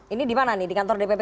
ini dimana nih di kantor dpp kolkar